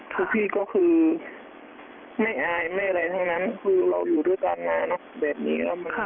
คือพี่ก็คือไม่อายไม่อะไรทั้งนั้นคือเราอยู่ด้วยกันมาเนอะแบบนี้ครับ